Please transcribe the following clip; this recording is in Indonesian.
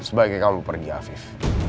sebaiknya kamu pergi afif